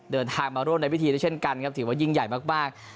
เดินทางมาร่วมในพิธีด้วยเช่นกันครับถือว่ายิ่งใหญ่มาก